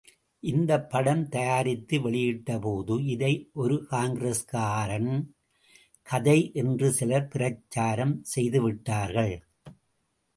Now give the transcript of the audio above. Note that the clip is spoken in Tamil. இந்தப் படம் தயாரித்து வெளியிட்டபோது இதை ஒரு காங்கிரஸ்கார்ன் கதை என்று சிலர் பிரசாரம் செய்துவிட்டார்கள்.